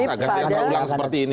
agar tidak terulang seperti ini